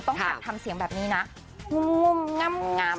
ต้องการทำเสียงแบบนี้นะ